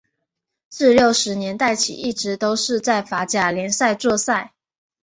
自六十年代起一直都是在法甲联赛作赛。